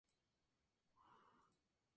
Actualmente vive en Boulder, Colorado.